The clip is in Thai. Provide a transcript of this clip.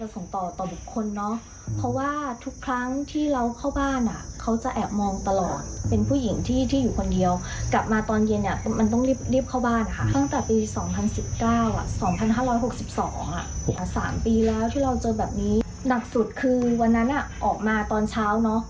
สามปีแล้วที่เราเจอแบบนี้หนักสุดคือวันนั้นอ่ะออกมาตอนเช้าเนอะ